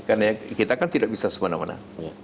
karena kita kan tidak bisa sebana mana